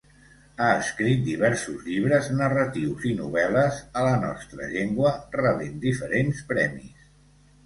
Ha escrit diversos llibres narratius i novel·les a la nostra llengua, rebent diferents premis.